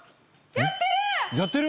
やってる！